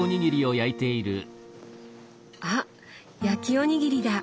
あ焼きおにぎりだ！